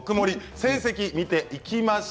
成績を見ていきます。